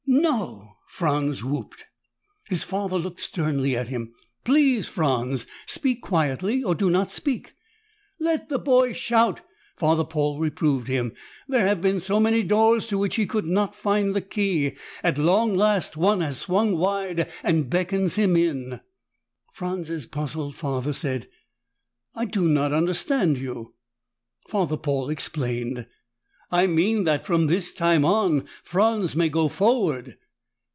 "No!" Franz whooped. His father looked sternly at him. "Please, Franz! Speak quietly or do not speak!" "Let the boy shout," Father Paul reproved him. "There have been so many doors to which he could not find the key. At long last, one has swung wide and beckons him in." Franz's puzzled father said, "I do not understand you." Father Paul explained. "I mean that, from this time on, Franz may go forward."